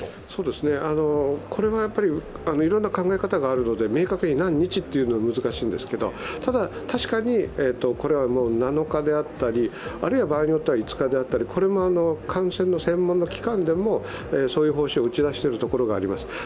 これもいろんな考え方があるので明確に何日と言うのは難しいんですけれどもただ確かに、７日であったり、場合によっては５日であったり、これも感染の専門の機関でもそういう方針を打ち出しているところがあります。